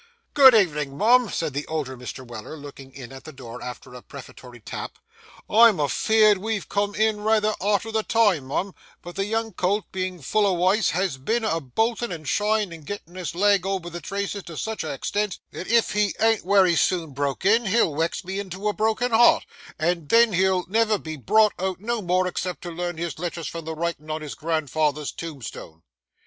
'Good ev'nin', mum,' said the older Mr. Weller, looking in at the door after a prefatory tap. 'I'm afeerd we've come in rayther arter the time, mum, but the young colt being full o' wice, has been' a boltin' and shyin' and gettin' his leg over the traces to sich a extent that if he an't wery soon broke in, he'll wex me into a broken heart, and then he'll never be brought out no more except to learn his letters from the writin' on his grandfather's tombstone.